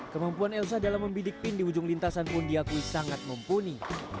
kemampuan elsa dalam membidik pin di ujung lintasan pun diakui sangat mumpuni